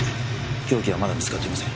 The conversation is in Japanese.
凶器はまだ見つかっていません。